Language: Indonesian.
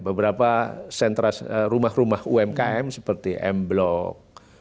beberapa rumah rumah umkm seperti m block